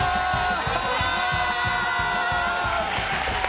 こんにちは！